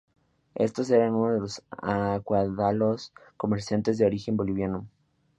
Estos eran unos acaudalados comerciantes de origen boliviano.